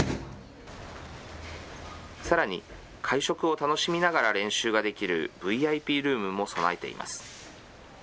さらに会食を楽しみながら練習ができるＶＩＰルームも備えています。